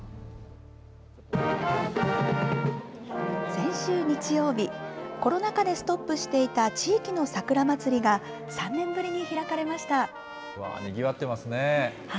先週日曜日、コロナ禍でストップしていた地域の桜まつりが３年ぶりに開かれまにぎわってますね。